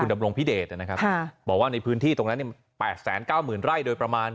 ดำรงพิเดชนะครับบอกว่าในพื้นที่ตรงนั้น๘๙๐๐ไร่โดยประมาณ